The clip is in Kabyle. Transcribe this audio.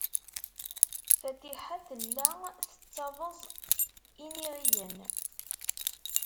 Fatiḥa tella tettabeẓ iniɣiyen.